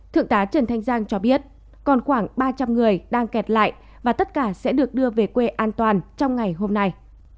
thượng tá trần thanh giang cho biết còn khoảng ba trăm linh người đang kẹt lại và tất cả sẽ được đưa về quê an toàn trong ngày hôm nay